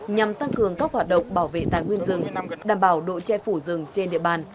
nhằm tăng cường các hoạt động bảo vệ tài nguyên rừng đảm bảo độ che phủ rừng trên địa bàn